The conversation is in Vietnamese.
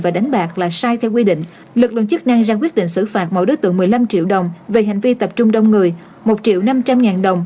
và đánh bạc là sai theo quy định lực lượng chức năng ra quyết định xử phạt mỗi đối tượng một mươi năm triệu đồng về hành vi tập trung đông người một triệu năm trăm linh ngàn đồng